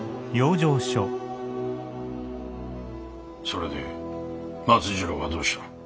それで松次郎はどうした？